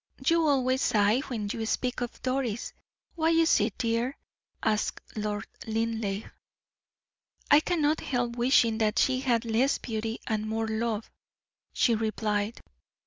"You always sigh when you speak of Doris. Why is it, dear?" asked Lord Linleigh. "I cannot help wishing that she had less beauty and more love," she replied.